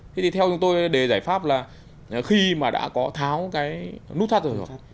thế thì theo chúng tôi để giải pháp là khi mà đã có tháo cái nút thắt rồi